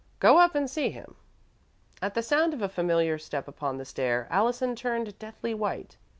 Go up and see him." At the sound of a familiar step upon the stair, Allison turned deathly white.